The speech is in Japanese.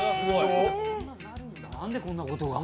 なんでこんなことが。